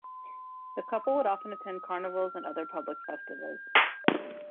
The couple would often attend carnivals and other public festivals.